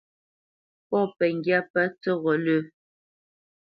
Pɔ̂ pəŋgyá pə̂ tsəghó lə́.